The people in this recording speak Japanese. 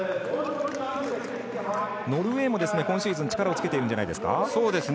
ノルウェーも今シーズン力をつけています。